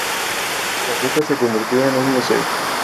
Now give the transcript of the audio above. Esa casa se convirtió en un museo.